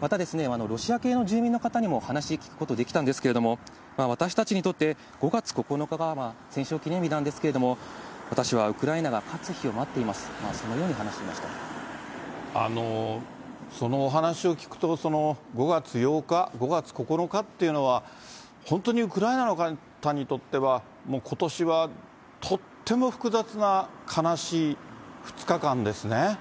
またですね、ロシア系の住民の方にも話聞くことできたんですけれども、私たちにとって５月９日が戦勝記念日なんですけれども、私はウクライナが勝つ日を待っています、そのお話を聞くと、５月８日、５月９日っていうのは、本当にウクライナの方にとっては、ことしはとっても複雑な悲しい２日間ですね。